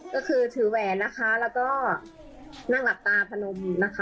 ก็คือถือแหวนนะคะแล้วก็นั่งหลับตาพนมนะคะ